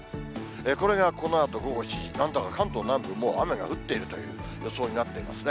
これがこのあと午後７時、なんだか関東南部、もう雨が降っているという予想になっていますね。